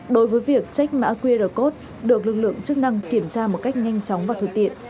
đối với việc trích mã qr code được lực lượng chức năng kiểm tra một cách nhanh chóng và thuận tiện